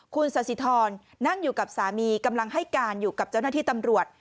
คุณสาธิธรนั่งอยู่กับสามีกำลังให้การอยู่กับเจ้าหน้าที่ตำรวจ